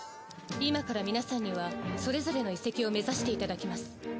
今から皆さんにはそれぞれの遺跡を目指していただきます。